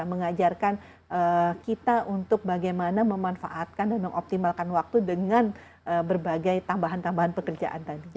mengajarkan kita untuk bagaimana memanfaatkan dan mengoptimalkan waktu dengan berbagai tambahan tambahan pekerjaan tadi